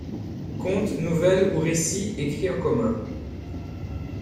Contes, nouvelles ou récits écrits en commun.